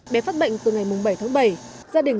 bé phát bệnh từ ngày bảy tháng bảy